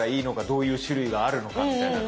どういう種類があるのかみたいな。